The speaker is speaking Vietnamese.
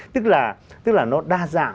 tức là nó đa dạng